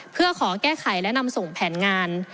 เพื่อขอแก้ไขและนำส่งแผนงาน